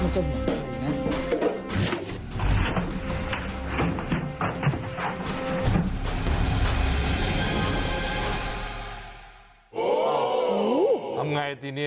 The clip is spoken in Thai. ทำอย่างไรตีนี้